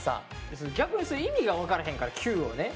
逆にする意味が分からへんからね「Ｑ」をね。